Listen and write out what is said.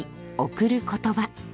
「贈る言葉」。